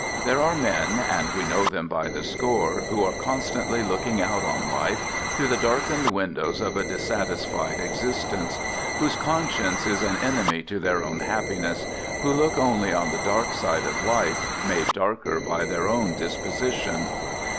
There are men, and we know them by the score, who are constantly looking out on life through the darkened windows of a dissatisfied existence; whose conscience is an enemy to their own happiness; who look only on the dark side of life, made darker by their own disposition.